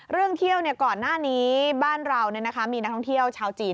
เรื่องเที่ยวก่อนหน้านี้บ้านเรามีนักท่องเที่ยวชาวจีน